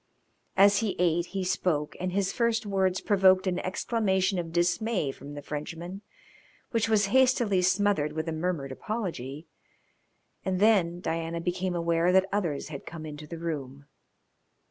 As he ate he spoke, and his first words provoked an exclamation of dismay from the Frenchman, which was hastily smothered with a murmured apology, and then Diana became aware that others had come into the room.